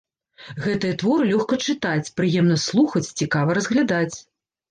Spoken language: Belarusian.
Гэтыя творы лёгка чытаць, прыемна слухаць, цікава разглядаць.